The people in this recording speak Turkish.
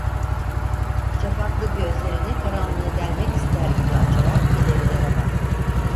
Çapaklı gözlerini karanlığı delmek ister gibi açarak ilerilere baktı.